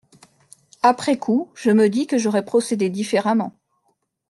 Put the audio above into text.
Après-coup, je me dis que j'aurais procédé différemment.